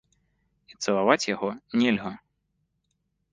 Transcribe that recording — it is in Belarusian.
І цалаваць яго нельга.